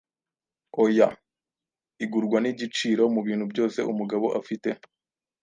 Oya, igurwa nigiciro Mubintu byose umugabo afite,